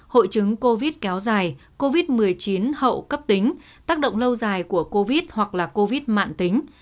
hội chứng covid kéo dài covid một mươi chín hậu cấp tính tác động lâu dài của covid hoặc là covid mạng tính